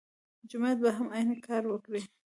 جومات به هم عین کار وکړي.